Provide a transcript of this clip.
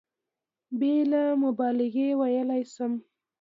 بېله مبالغې ویلای شم.